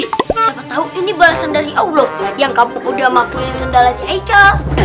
siapa tahu ini balasan dari allah yang kamu udah makuin sendala si eka